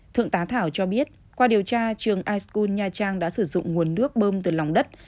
thượng tá thảo cho biết qua điều tra trường iskun nha trang đã sử dụng nguồn nước bơm từ lòng đất